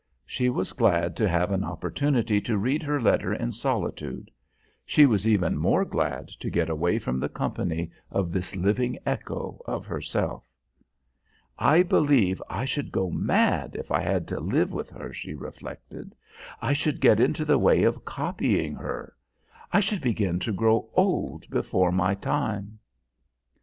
She was glad to have an opportunity to read her letter in solitude; she was even more glad to get away from the company of this living echo of herself. "I believe I should go mad if I had to live with her," she reflected. "I should get into the way of copying her. I should begin to grow old before my time."